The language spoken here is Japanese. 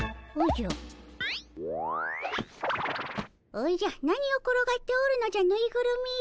おじゃ何を転がっておるのじゃぬいぐるみよ。